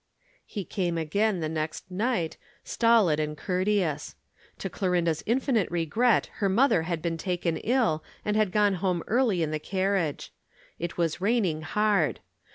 He came again the next night, stolid and courteous. To Clorinda's infinite regret her mother had been taken ill and had gone home early in the carriage. It was raining hard.